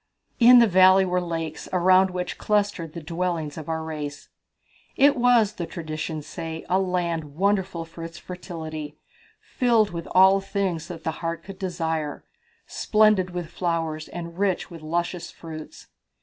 In the valley were lakes, around which clustered the dwellings of our race." "It was, the traditions say, a land wonderful for its fertility, filled with all things that the heart could desire, splendid with flowers and rich with luscious fruits."